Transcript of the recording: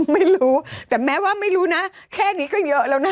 ไม่รู้แต่แม้ว่าไม่รู้นะแค่นี้ก็เยอะแล้วนะ